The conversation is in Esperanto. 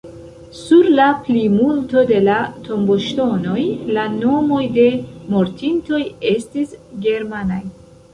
Sur la plimulto de la tomboŝtonoj, la nomoj de mortintoj estis germanaj.